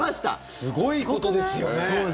すごいことですよね。